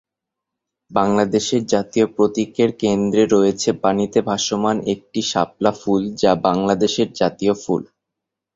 বাংলাদেশের জাতীয় প্রতীকের কেন্দ্রে রয়েছে পানিতে ভাসমান একটি শাপলা ফুল যা বাংলাদেশের জাতীয় ফুল।